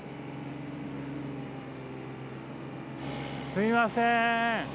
すみません！